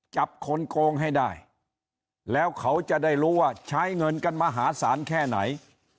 จับคนโกงให้ได้แล้วเขาจะได้รู้ว่าใช้เงินกันมหาศาลแค่ไหน